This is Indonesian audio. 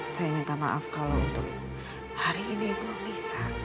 saya minta maaf kalau untuk hari ini belum bisa